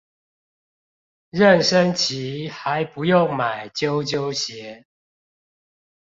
妊娠期還不用買啾啾鞋